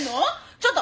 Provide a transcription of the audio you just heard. ちょっと！